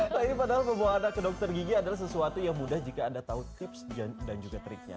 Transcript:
nah ini padahal membawa anak ke dokter gigi adalah sesuatu yang mudah jika anda tahu tips dan juga triknya